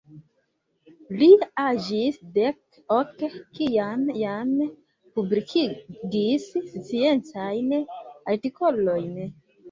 Li aĝis dek ok, kiam jam publikigis sciencajn artikolojn.